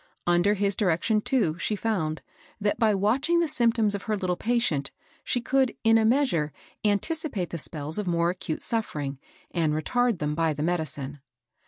Under his direction, too, she found, that by watching the symptoms of her little patient, she could, in a measure, anticipate the «^^ ^H. \sass» 276 MABSL BOSS. acute suffsring, and retard them by the medi cine.